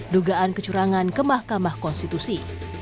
dugaan kecurangan ke mahkamah konstitusi